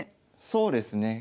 そうですね。